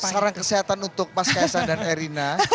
saran kesehatan untuk mas kaisang dan erina